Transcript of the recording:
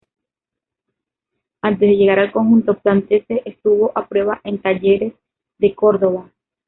Antes de llegar al conjunto platense estuvo a prueba en Talleres de Córdoba.